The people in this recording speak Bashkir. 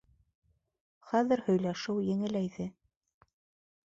Хәҙер һөйләшеү еңеләйҙе.